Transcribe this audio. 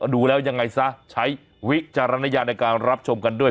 ดูแล้วยังไงซะใช้วิจารณญาในการรับชมกันด้วย